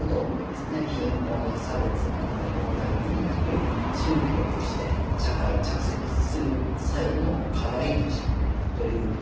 貧困や差別などの問題にやっぱり宗教として社会に着席する際の課題として取り組み方。